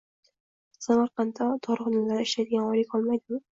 Samarqanddagi dorixonalarda ishlaydiganlar oylik olmaydimi?